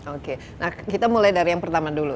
oke nah kita mulai dari yang pertama dulu